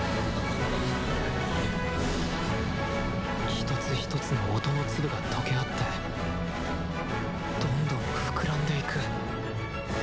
一つ一つの音の粒が溶け合ってどんどん膨らんでいく。